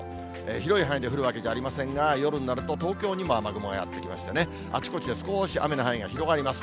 広い範囲で降るわけじゃありませんが、夜になると東京にも雨雲がやって来ましてね、あちこちで少し雨の範囲が広がります。